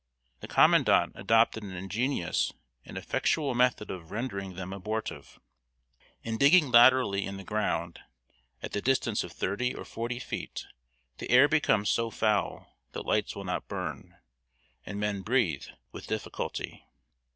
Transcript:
The Commandant adopted an ingenious and effectual method of rendering them abortive. In digging laterally in the ground, at the distance of thirty or forty feet the air becomes so foul that lights will not burn, and men breathe with difficulty.